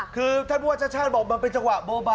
คือถ้าพูดว่าชาติบอกมันเป็นจังหวะโบบะ